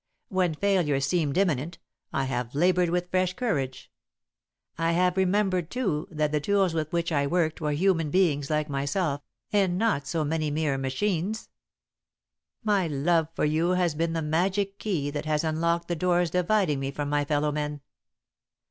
When failure seemed imminent, I have laboured with fresh courage. I have remembered, too, that the tools with which I worked were human beings like myself, and not so many mere machines. "My love for you has been the magic key that has unlocked the doors dividing me from my fellow men.